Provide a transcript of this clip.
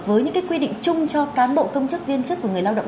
với những cái quy định chung cho cán bộ công chức viên chức và người lao động